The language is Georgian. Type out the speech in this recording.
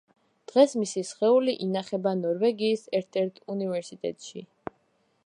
დღეს მისი სხეული ინახება ნორვეგიის ერთ-ერთ უნივერსიტეტში.